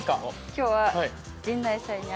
今日は。